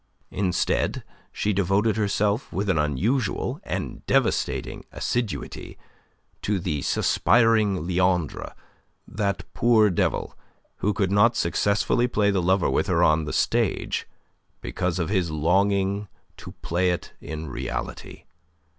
Instead, she devoted herself with an unusual and devastating assiduity to the suspiring Leandre, that poor devil who could not successfully play the lover with her on the stage because of his longing to play it in reality.